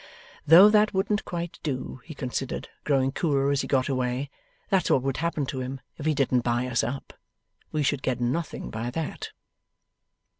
'Though that wouldn't quite do,' he considered, growing cooler as he got away. 'That's what would happen to him if he didn't buy us up. We should get nothing by that.